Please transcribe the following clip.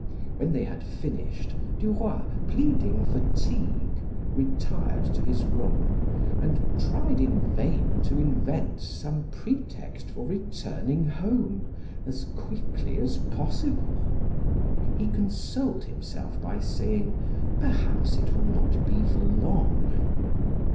When they had finished, Duroy, pleading fatigue, retired to his room and tried in vain to invent some pretext for returning home as quickly as possible. He consoled himself by saying: "Perhaps it will not be for long."